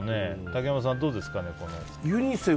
竹山さん、どうですかね。